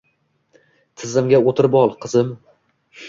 Tizzamga o‘tirib ol, qizim.